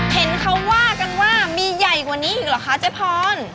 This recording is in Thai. เห็นเขาว่ากันว่ามีใหญ่กว่านี้อีกเหรอคะเจ๊พร